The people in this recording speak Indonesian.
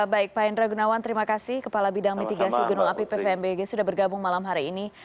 baik pak hendra gunawan terima kasih kepala bidang mitigasi gunung api pvmbg sudah bergabung malam hari ini